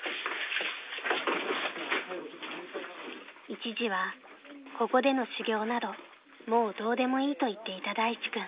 ［一時はここでの修業などもうどうでもいいと言っていた大地君］